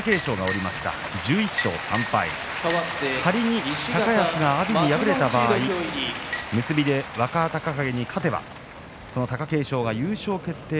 仮に高安が阿炎に敗れた場合結びで若隆景に勝てばこの貴景勝が優勝決定